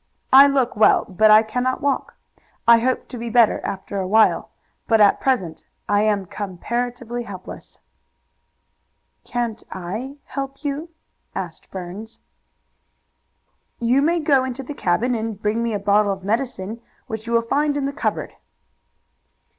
I look well, but I cannot walk. I hope to be better after a while, but at present I am comparatively helpless." "Can't I help you?" "You may go into the cabin, and bring me a bottle of medicine which you will find in the cupboard."